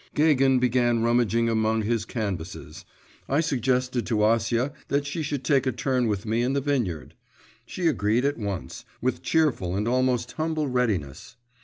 Gagin began rummaging among his canvases. I suggested to Acia that she should take a turn with me in the vineyard. She agreed at once, with cheerful and almost humble readiness.